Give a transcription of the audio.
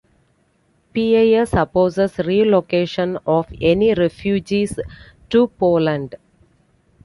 PiS opposes relocation of any refugees to Poland.